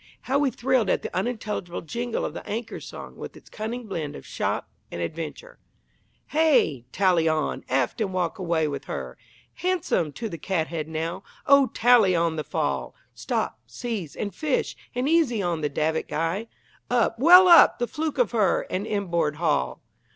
How we thrilled at the unintelligible jingle of the Anchor Song, with its cunning blend of "shop" and adventure: Heh! Tally on. Aft and walk away with her! Handsome to the cathead, now! O tally on the fall! Stop, seize, and fish, and easy on the davit guy. Up, well up, the fluke of her, and inboard haul!